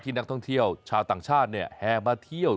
ที่นักท่องเที่ยวชาวต่างชาติเนี่ยแฮมาเที่ยว